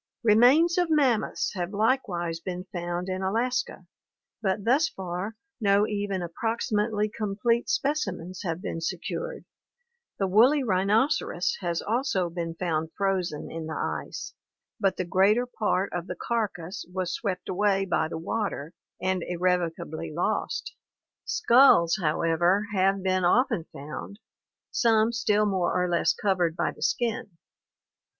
Remains of mammoths have likewise been found in Alaska, but thus far no even approximately complete specimens have been se cured. The woolly rhinoceros (Rhinoceros tichorhinus) has also been found frozen in the ice, but the greater part of the carcass was swept away by the water and irrevocably lost. Skulls, however, have been often found, some still more or less covered by the skin.